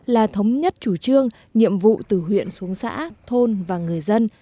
là thống nhất chủ trương nhiệm vụ từ huyện xuống xã thôn và người dân